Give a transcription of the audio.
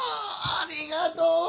ありがとう。